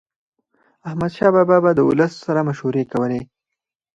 احمدشاه بابا به د ولس سره مشورې کولي.